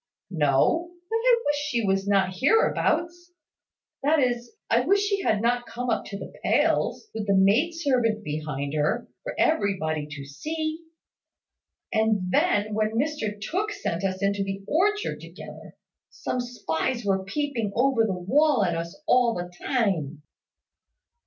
"No; but I wish she was not hereabouts: that is, I wish she had not come up to the pales, with the maid servant behind her, for everybody to see. And then, when Mr Tooke sent us into the orchard together, some spies were peeping over the wall at us all the time."